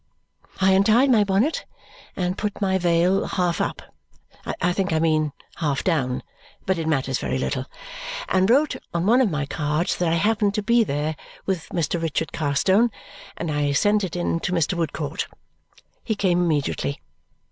I untied my bonnet and put my veil half up I think I mean half down, but it matters very little and wrote on one of my cards that I happened to be there with Mr. Richard Carstone, and I sent it in to Mr. Woodcourt. He came immediately.